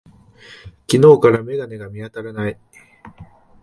昨日から眼鏡が見当たらない。